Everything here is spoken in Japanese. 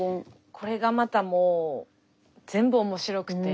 これがまたもう全部面白くて。